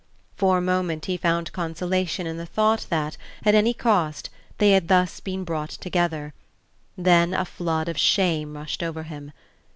For a moment he found consolation in the thought that, at any cost, they had thus been brought together; then a flood of shame rushed over him.